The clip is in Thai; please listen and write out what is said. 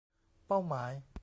เป้าหมาย